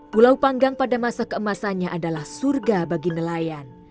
pulau panggang pada masa keemasannya adalah surga bagi nelayan